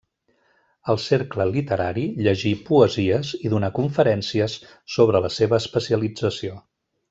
Al Cercle Literari llegí poesies i donà conferències sobre la seva especialització.